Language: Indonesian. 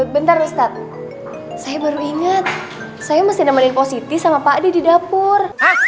bentar ustadz saya baru inget saya masih namanya positif sama pak di dapur